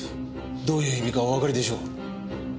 どういう意味かおわかりでしょう。